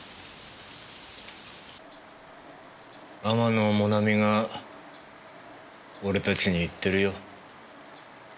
天野もなみが俺たちに言ってるよ。